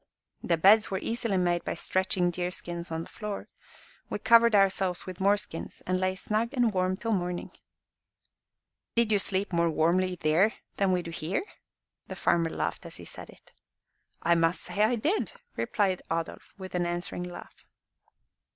"The beds were easily made by stretching deer skins on the floor. We covered ourselves with more skins, and lay snug and warm till morning." "Did you sleep more warmly than we do here?" The farmer laughed as he said it. "I must say I did," replied Adolf, with an answering laugh.